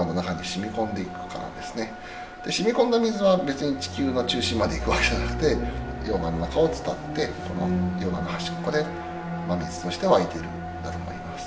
染み込んだ水は別に地球の中心まで行くわけじゃなくて溶岩の中を伝って溶岩の端っこで真水として湧いているんだと思います。